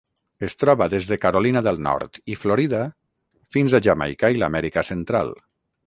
Es troba des de Carolina del Nord i Florida fins a Jamaica i l'Amèrica Central.